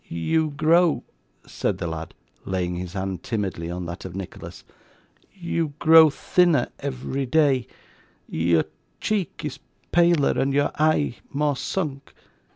You grow,' said the lad, laying his hand timidly on that of Nicholas, 'you grow thinner every day; your cheek is paler, and your eye more sunk.